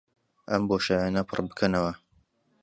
ئەم بۆشایییانە پڕ بکەنەوە